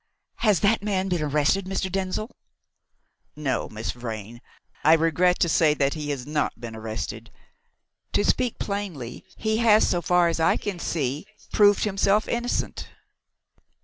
"Has that man been arrested, Mr. Denzil?" "No, Miss Vrain. I regret to say that he has not been arrested. To speak plainly, he has, so far as I can see, proved himself innocent."